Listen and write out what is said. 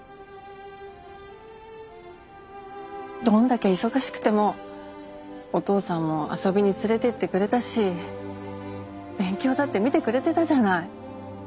どんだけ忙しくてもお父さんも遊びに連れてってくれたし勉強だって見てくれてたじゃない。